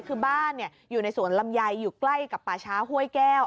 คือบ้านอยู่ในสวนลำไยอยู่ใกล้กับป่าช้าห้วยแก้ว